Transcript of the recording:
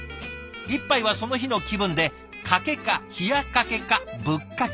１杯はその日の気分でかけか冷やかけかぶっかけ。